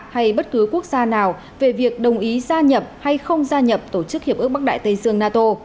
hay bất cứ quốc gia nào về việc đồng ý gia nhập hay không gia nhập tổ chức hiệp ước bắc đại tây dương nato